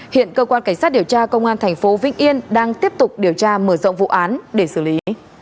hiện cơ quan cảnh sát điều tra công an thành phố vĩnh yên đang tiếp tục điều tra mở rộng vụ án để xử lý